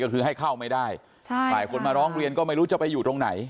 ก็คือให้เข้าไม่ได้ฝ่ายคนมาร้องเรียนก็ไม่รู้จะไปอยู่ตรงไหน